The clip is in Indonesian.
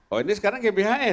oh ini sekarang gbhn